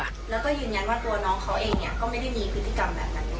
แล้วก็ยืนยันว่าตัวน้องเขาเองเนี่ยก็ไม่ได้มีพฤติกรรมแบบนั้น